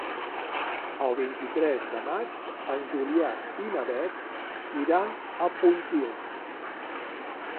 El vint-i-tres de maig en Julià i na Beth iran a Pontils.